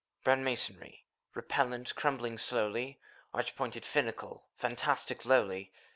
{Gazing around,) Brown masonry, repellent, crumbling slowly, Arch pointed, finical, fantastic, lowly!